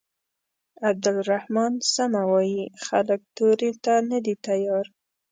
عبدالرحمن سمه وايي خلک تورې ته نه دي تيار.